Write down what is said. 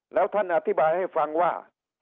แล้วท่านอธิบายให้ฟังว่า